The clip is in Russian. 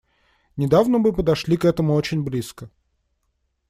Недавно мы подошли к этому очень близко.